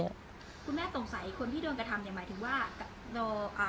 คุณแม่สงสัยคนที่โดนกระทำเนี่ยหมายถึงว่าเราอ่า